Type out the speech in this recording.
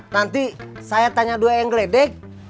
nanti saya tanya dua ayang gledek